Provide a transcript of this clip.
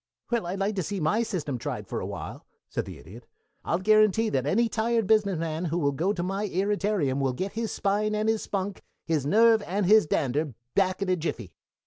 "Well, I'd like to see my system tried for a while," said the Idiot. "I'll guarantee that any tired business man who will go to my irritarium will get his spine and his spunk, his nerve and his dander, back in a jiffy.